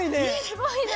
すごいな。